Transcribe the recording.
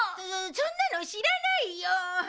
そんなの知らないよ。